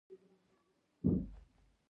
افغانستان يو غرنی هېواد دی